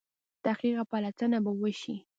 تحقیق او پلټنه وشي.